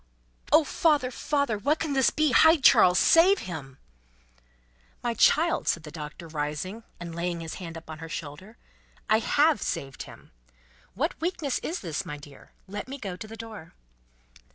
"Oh father, father. What can this be! Hide Charles. Save him!" "My child," said the Doctor, rising, and laying his hand upon her shoulder, "I have saved him. What weakness is this, my dear! Let me go to the door."